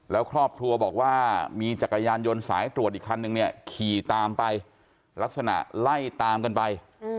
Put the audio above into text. แล้วครอบครัวบอกว่ามีจักรยานยนต์สายตรวจอีกคันนึงเนี่ยขี่ตามไปลักษณะไล่ตามกันไป